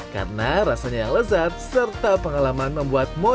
karena rasanya yang lezat serta pengalaman membuat mojoknya